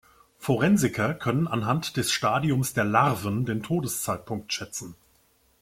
Forensiker können anhand des Stadiums der Larven den Todeszeitpunkt schätzen.